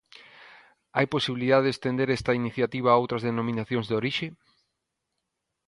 Hai posibilidade de estender esta iniciativa a outras Denominacións de Orixe?